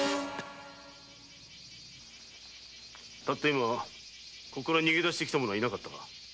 今ここから逃げ出して来た者はいなかったか？